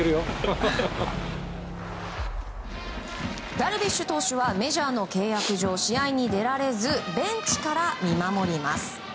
ダルビッシュ投手はメジャーの契約上試合に出られずベンチから見守ります。